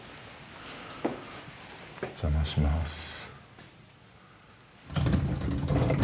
お邪魔します。